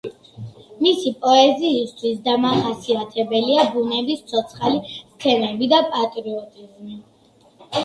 მისი პოეზიისთვის დამახასიათებელია ბუნების ცოცხალი სცენები და პატრიოტიზმი.